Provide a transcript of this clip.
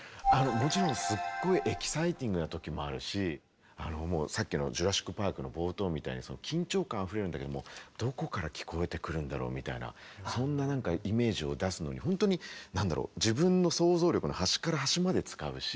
もちろんすっごいエキサイティングなときもあるしもうさっきの「ジュラシック・パーク」の冒頭みたいに緊張感あふれるんだけどもどこから聞こえてくるんだろうみたいなそんななんかイメージを出すのに本当になんだろう